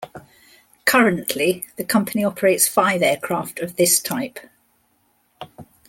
Currently, the company operates five aircraft of this type.